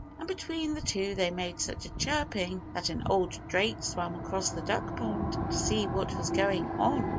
And between the two they made such a chirping that an old drake swam across the duck pond to see what was going on.